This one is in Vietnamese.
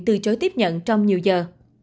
từ chối tiếp nhận trong nhiều giờ